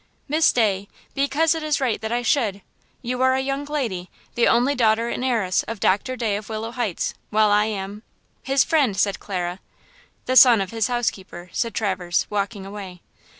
"Miss Day, because it is right that I should. You are a young lady–the only daughter and heiress of Doctor Day of Willow Heights, while I am–" "His friend," said Clara "The son of his housekeeper," said Traverse, walking away.